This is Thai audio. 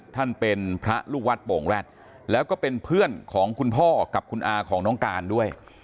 ท่านเป็นพระลูกวัดโป่งแร็ดแล้วก็เป็นเพื่อนของคุณพ่อกับคุณอาของน้องการด้วย